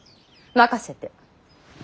任せて。